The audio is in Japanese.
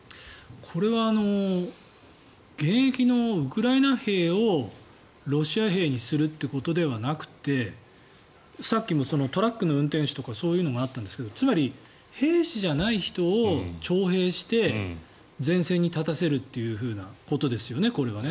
これは現役のウクライナ兵をロシア兵にするということではなくてさっきもトラックの運転手とかそういうのがあったんですけどつまり兵士じゃない人を徴兵して前線に立たせるということですよね、これは。